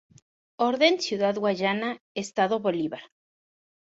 Orden Ciudad Guayana, Estado Bolívar.